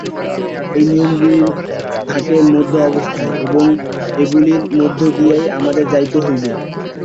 এই নিয়মগুলি থাকে মধ্য অবস্থায় এবং এগুলির মধ্য দিয়াই আমাদের যাইতে হইবে।